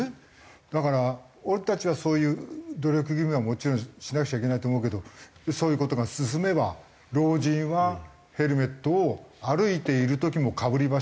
だから俺たちはそういう努力義務はもちろんしなくちゃいけないと思うけどそういう事が進めば老人はヘルメットを歩いている時もかぶりましょうとかね